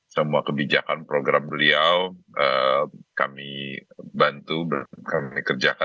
semua kebijakan program beliau kami bantu dan kami kerjakan